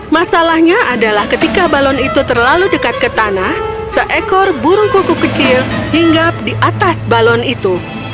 masalahnya adalah ketika balon itu terlalu dekat ke tanah seekor burung kuku kecil hingga di atas balon itu